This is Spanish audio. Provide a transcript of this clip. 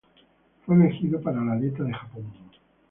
Fue elegido para la Dieta de Japón.